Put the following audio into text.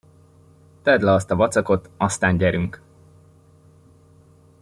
Tedd le azt a vacakot, aztán gyerünk!